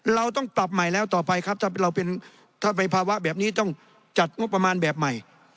เราต้องปรับใหม่แล้วต่อไปครับถ้าเราเป็นถ้าไปภาวะแบบนี้ต้องจัดงบประมาณแบบใหม่